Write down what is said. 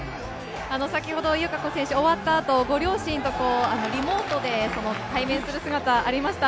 先ほど、友香子選手、終わったあとご両親とこう、リモートで対面する姿ありました。